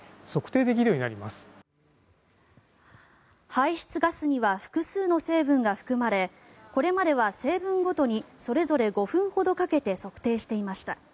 排出ガスには複数の成分が含まれこれまでは成分ごとにそれぞれ５分ほどかけて測定していました。